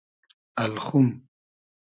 الخوم